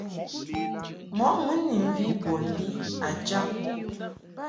Mɔ mun ni mvi bon bi a jam.